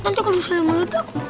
nanti kok bisa meledak